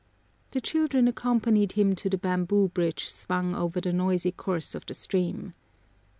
The children accompanied him to the bamboo bridge swung over the noisy course of the stream.